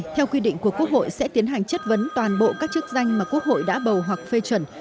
theo quy định của quốc hội sẽ tiến hành chất vấn toàn bộ các chức danh mà quốc hội đã bầu hoặc phê chuẩn